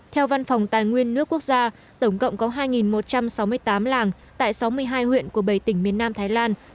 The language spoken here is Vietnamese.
theo văn phòng tài nguyên nước quốc gia tổng cộng có hai một trăm sáu mươi tám làng tại sáu mươi hai huyện của bảy tỉnh miền nam thái lan